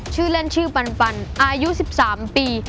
ชื่อเล่นชื่อปันอายุ๑๓ปี